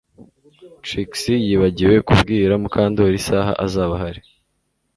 Trix yibagiwe kubwira Mukandoli isaha azaba ahari